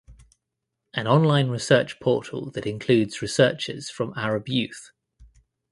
An online research portal that includes researches from Arab youth.